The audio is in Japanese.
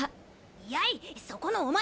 やいそこのお前！